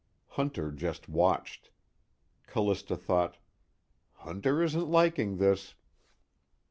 Hunter just watched. Callista thought: _Hunter isn't liking this.